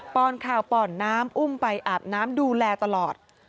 อนข่าวป่อนน้ำอุ้มไปอาบน้ำดูแลตลอด